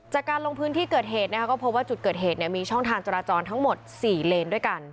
จากการลงพื้นที่เกิดเหตุนะคะก็พบว่าจุดเกิดเหตุมีช่องทางจราจรทั้งหมด๔เลนด้วยกัน